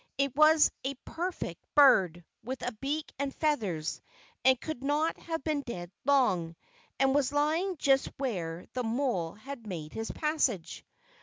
It was a perfect bird, with a beak and feathers, and could not have been dead long, and was lying just where the mole had made his passage.